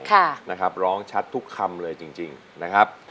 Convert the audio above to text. ค่ะนะครับร้องชัดทุกคำเลยจริงจริงนะครับ